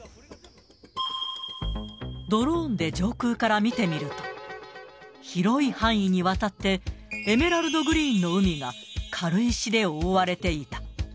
ドローンで上空から見てみると、広い範囲にわたって、エメラルドグリーンの海が軽石で覆われていた。